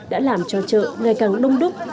đã làm cho chợ ngày càng đông đúc